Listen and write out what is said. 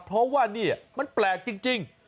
เพราะว่านี่มันแปลกจริง